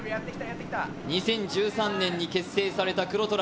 ２０１３年に結成された黒虎。